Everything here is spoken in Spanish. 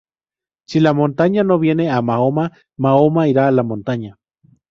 Si la montaña no viene a Mahoma, Mahoma irá a la montaña